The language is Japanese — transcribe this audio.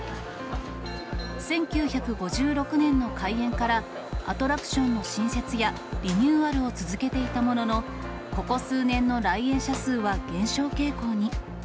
１９５６年の開園から、アトラクションの新設やリニューアルを続けていたものの、ここ数年の来園者数は減少傾向に。